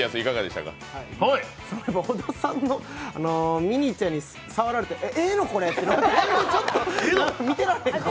小田さんの、ミニーちゃんに触られてええの、これ？っていうのちょっと見てられない。